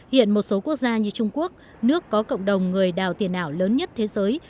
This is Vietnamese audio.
hiện một số quốc gia như trung quốc nước có cộng đồng người đào tiền ảo lớn nhất thế giới